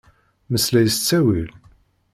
Meslay s ttawil.